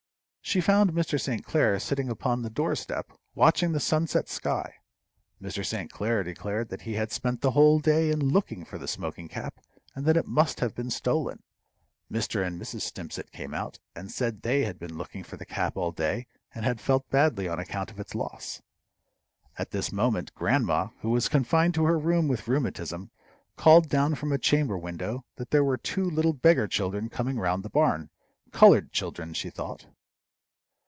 She found Mr. St. Clair sitting upon the door step, watching the sunset sky. Mr. St. Clair declared that he had spent the whole day in looking for the smoking cap, and that it must have been stolen. Mr. and Mrs. Stimpcett came out, and said they had been looking for the cap all day, and had felt badly on account of its loss. At this moment, grandma, who was confined to her room with rheumatism, called down from a chamber window that there were two little beggar children coming round the barn colored children, she thought.